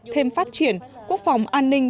thêm phát triển quốc phòng an ninh